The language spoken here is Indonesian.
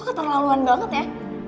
lo keterlaluan banget ya